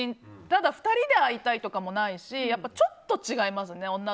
ただ２人で会いたいとかもないしちょっと違いますね。